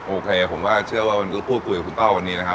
โอเคผมเชื่อว่ามันก็พูดต่อกับคุณเกล้าอันนี้แล้วครับ